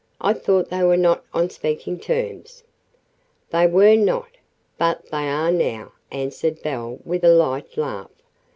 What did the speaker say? I thought they were not on speaking terms." "They were not, but they are now," answered Belle with a light laugh.